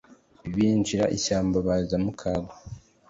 Binjira ishyamba baza mu Kagwa